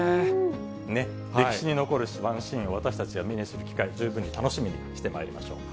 歴史に残るワンシーンを私たちは目にする機会、十分に楽しみにしてまいりましょう。